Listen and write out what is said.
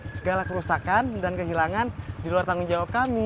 segala kerusakan dan kehilangan di luar tanggung jawab kami